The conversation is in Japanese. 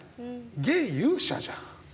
現勇者じゃん。